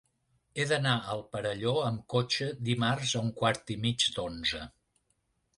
He d'anar al Perelló amb cotxe dimarts a un quart i mig d'onze.